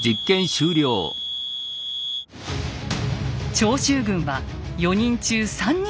長州軍は４人中３人が生存。